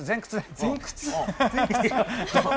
前屈。